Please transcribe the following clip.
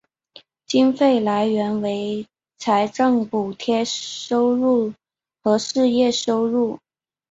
经费来源为财政补助收入和事业收入。